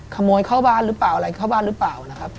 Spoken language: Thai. ขโมยข้าวบ้านหรือเปล่า